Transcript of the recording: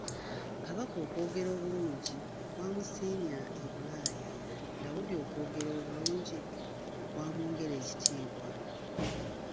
Kabaka okwogera obulungi kwamusiimya e Bulaaya Daudi okwogera obulungi kwamwongera ekitiibwa.